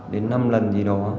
đến năm lần gì đó